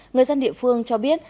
người dân địa phương cho biết